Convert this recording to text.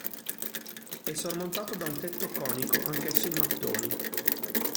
È sormontato da un tetto conico, anch'esso in mattoni.